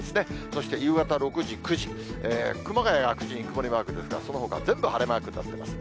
そして夕方６時、９時、熊谷が９時に曇りマークですが、そのほかは全部晴れマークになってます。